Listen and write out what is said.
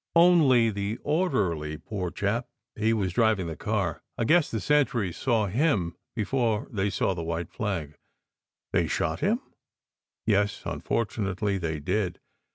"Only the orderly, poor chap. He was driving the car. I guess the sentries saw him before they saw the white flag." "They shot him?" "Yes, unfortunately they did."